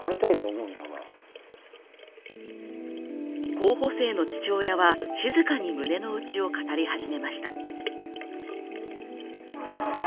候補生の父親は静かに胸のうちを語り始めました。